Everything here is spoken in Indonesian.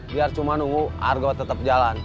biar cuma nunggu argo tetep jalan